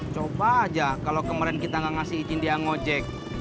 coba aja kalo kemaren kita gak ngasih izin dia ngejek